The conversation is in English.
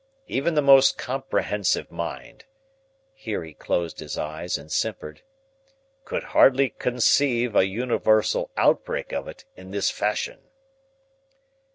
Even the most comprehensive mind" here he closed his eyes and simpered "could hardly conceive a universal outbreak of it in this fashion."